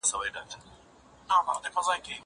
زه به سبا کتابونه وړم وم!!